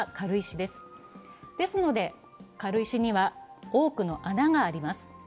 ですので、軽石には多くの穴があります。